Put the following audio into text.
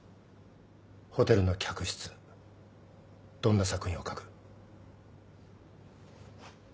ホテルの客室どんな作品を書く？